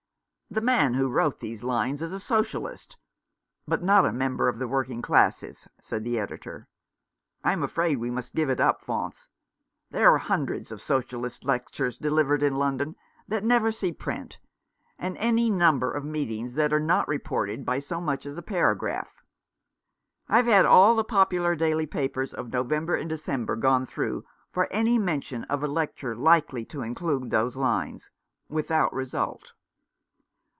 "The man who wrote those lines is a Socialist, but not a member of the working classes," said the Editor. "I'm afraid we must give it up, Faunce. There are hundreds of Socialistic lectures delivered in London that never see print, and any number of meetings that are not reported by so much as a paragraph. I've had all the popular daily papers of November and December gone through for any mention of a lecture likely to include those lines, without result."